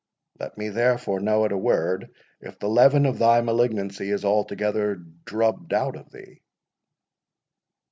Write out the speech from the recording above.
Let me therefore know, at a word, if the leaven of thy malignancy is altogether drubbed out of thee?"